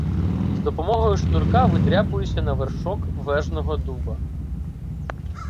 З допомогою шнурка видряпуюся на вершок Вежного дуба.